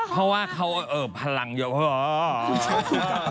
เพราะเขาเอิบพลังเยอะ